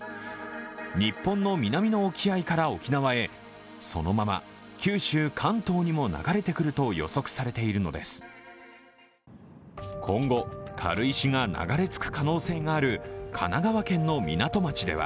日本の南の沖合から沖縄へそのまま九州、関東にも流れてくると予測されているのです。